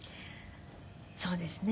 そうですね